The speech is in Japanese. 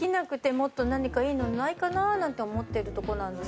もっと何かいいのないかな？なんて思ってるとこなんです。